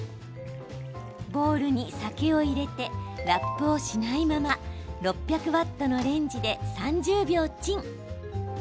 ボウルに酒を入れてラップをしないまま６００ワットのレンジで３０秒チン。